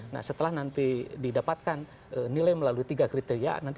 nah setelah nanti didapatkan nilai melalui tiga kriteria